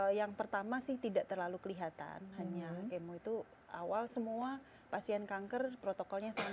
oh ya yang pertama sih tidak terlalu kelihatan hanya kemo itu awal semua pasien kanker protokolnya sudah berubah